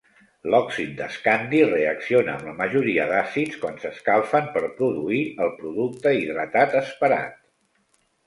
L'oxid d'escandi reacciona amb la majoria d'àcids quan s'escalfen per produir el producte hidratat esperat.